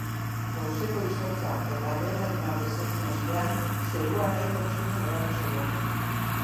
Goizeko izotza eta behe-lainoa desegin ostean, zerua nahiko txukun geratu zaigu.